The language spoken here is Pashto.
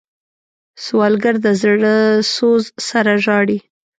سوالګر د زړه سوز سره ژاړي